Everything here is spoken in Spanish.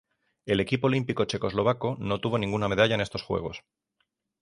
El equipo olímpico checoslovaco no obtuvo ninguna medalla en estos Juegos.